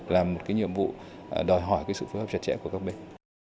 làm một nhiệm vụ đòi hỏi sự phối hợp chặt chẽ của các bên